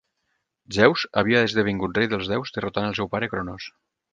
Zeus havia esdevingut rei dels déus derrotant el seu pare Cronos.